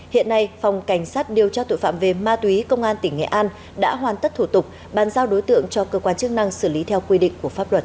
hiện nay phòng cảnh sát điều tra tội phạm về ma túy công an tỉnh nghệ an đã hoàn tất thủ tục bàn giao đối tượng cho cơ quan chức năng xử lý theo quy định của pháp luật